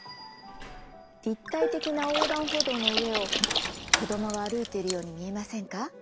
立体的な横断歩道の上を子供が歩いているように見えませんか？